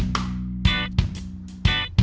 aku mau panggil nama atu